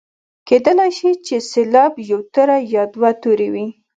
کیدلای شي چې سېلاب یو توری یا دوه توري وي.